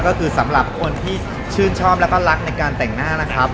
ก็คือสำหรับคนที่ชื่นชอบแล้วก็รักในการแต่งหน้านะครับ